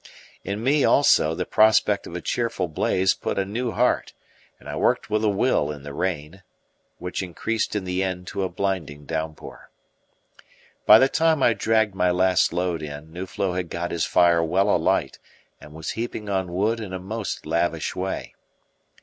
In me also the prospect of a cheerful blaze put a new heart, and I worked with a will in the rain, which increased in the end to a blinding downpour. By the time I dragged my last load in, Nuflo had got his fire well alight, and was heaping on wood in a most lavish way.